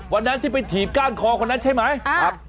วันนั้นที่ไปถีบก้านคอคนนั้นใช่ไหม